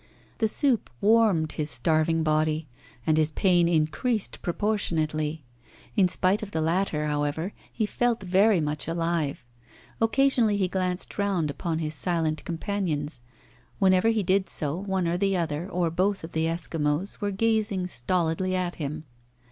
The soup warmed his starving body, and his pain increased proportionately. In spite of the latter, however, he felt very much alive. Occasionally he glanced round upon his silent companions. Whenever he did so one or the other, or both of the Eskimos were gazing stolidly at him.